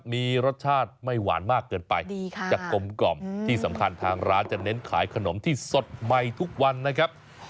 มีรสชาติไม่หวานมากเกินไปดีค่ะจะกลมกล่อมที่สำคัญทางร้านจะเน้นขายขนมที่สดใหม่ทุกวันนะครับ